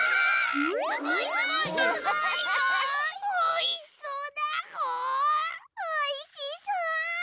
おいしそうだぐ！おいしそ！